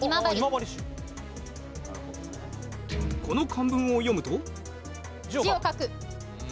この漢文を読むと？